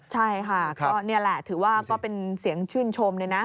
ใช่ค่ะก็นี่แหละถือว่าก็เป็นเสียงชื่นชมเลยนะ